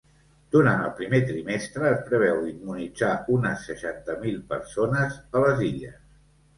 Durant el primer trimestre es preveu d’immunitzar unes seixanta mil persones a les Illes.